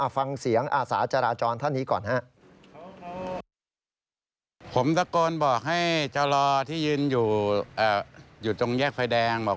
ฟังเสียงอาสาจราจรท่านนี้ก่อนครับ